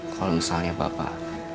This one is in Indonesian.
kalau misalnya bapak